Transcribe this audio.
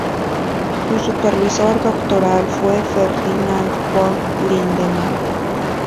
Su supervisor doctoral fue Ferdinand von Lindemann.